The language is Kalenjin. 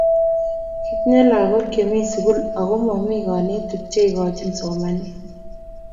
kitinye lakoik chemi sukul aku momi kanetik cheikochini somanet